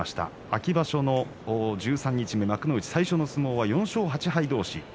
秋場所の十三日目幕内最初の相撲は４勝８敗同士です。